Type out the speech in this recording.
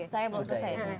saya mau cakap